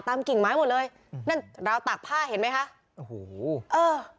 กิ่งไม้หมดเลยอืมนั่นราวตากผ้าเห็นไหมคะโอ้โหเออ